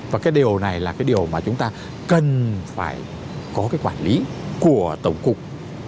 và cái điều này là cái điều mà chúng ta cần phải có cái quản lý của tổng cục